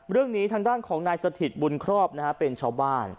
เรื่องนี้ทางด้านของนายสถิตบุญครอบนะฮะเป็นชาวบ้าน